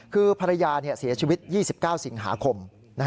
คือภรรยาเสียชีวิต๒๙สิงหาคม